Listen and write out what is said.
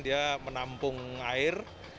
dia menampung air